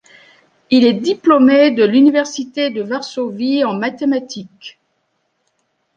Il est diplômé en de l'université de Varsovie en mathématiques.